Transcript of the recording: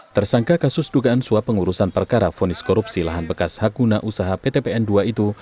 tersangka kasus dugaan suap pengurusan perkara fonis korupsi lahan bekas hak guna usaha pt pn ii itu